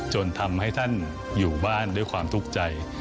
จนทำให้ท่านอยู่บ้านด้วยความทุกข์ใจ